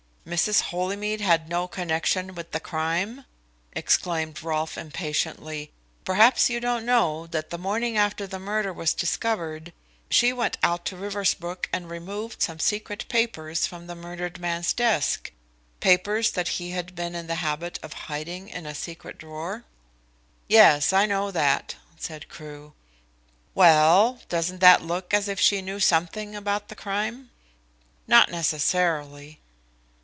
"Mrs. Holymead had no connection with the crime?" exclaimed Rolfe impatiently. "Perhaps you don't know that the morning after the murder was discovered she went out to Riversbrook and removed some secret papers from the murdered man's desk papers that he had been in the habit of hiding in a secret drawer?" "Yes, I know that," said Crewe. "Well, doesn't that look as if she knew something about the crime?" "Not necessarily."